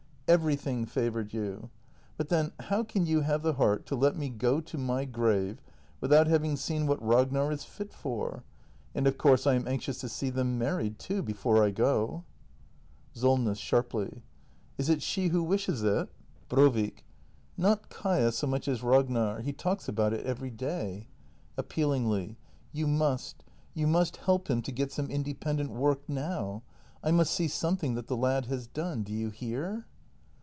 Everything favoured you. But then how can you have the heart to let me go to my grave — without having seen what Ragnar is fit for? And of course I am anxious to see them married, too — before I go. Solness. [Sharply.] Is it she who wishes it ? 254 THE MASTER BUILDER [act i Brovik. Not Kaia so much as Ragnar — he talks about it every day. [Appealingly.] You must — you must help him to get some independent work now! I must see something that the lad has done. Do you hear